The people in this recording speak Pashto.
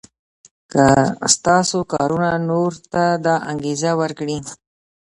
که ستاسو کارونه نورو ته دا انګېزه ورکړي.